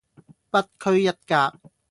不拘一格